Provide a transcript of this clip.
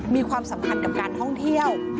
มีความสำคัญกับการท่องเที่ยว